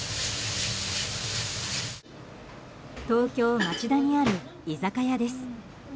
東京・町田にある居酒屋です。